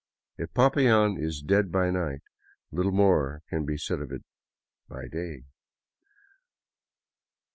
If Popayan is dead by night, little more can be said for it by day.